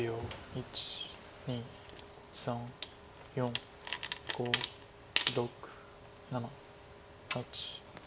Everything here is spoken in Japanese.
１２３４５６７８。